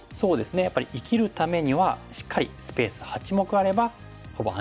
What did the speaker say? やっぱり生きるためにはしっかりスペース８目あればほぼ安心かなと。